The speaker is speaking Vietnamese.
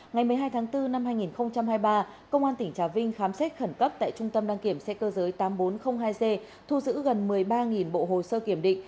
ngày một mươi hai tháng bốn năm hai nghìn hai mươi ba công an tỉnh trà vinh khám xét khẩn cấp tại trung tâm đăng kiểm xe cơ giới tám nghìn bốn trăm linh hai g thu giữ gần một mươi ba bộ hồ sơ kiểm định